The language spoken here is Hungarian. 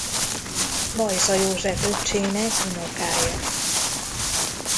Bajza József öccsének unokája.